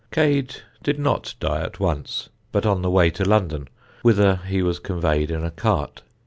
Cade did not die at once, but on the way to London, whither he was conveyed in a cart.